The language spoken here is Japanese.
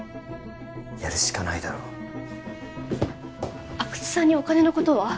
やるしかないだろ阿久津さんにお金のことは？